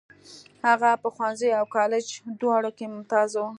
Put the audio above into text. هغه په ښوونځي او کالج دواړو کې ممتاز و.